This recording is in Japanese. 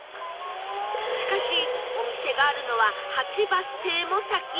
しかしお店があるのは８バス停も先